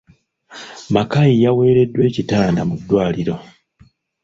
Makayi yaweereddwa ekitanda mu ddwaliro.